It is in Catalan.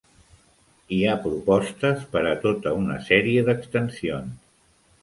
Hi ha propostes per a tota una sèrie d'extensions.